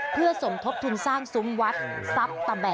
เพื่อสมทบทุนสร้างซุ้มวัดทรัพย์ตะแบะ